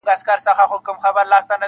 که ستا چيري اجازه وي محترمه,